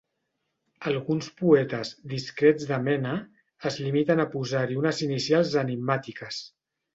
Alguns poetes, discrets de mena, es limiten a posar-hi unes inicials enigmàtiques.